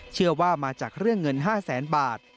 เชื่อว่ามาจากเรื่องเงิน๕แสนบาท